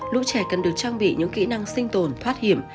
lúc trẻ cần được trang bị những kỹ năng sinh tồn thoát hiểm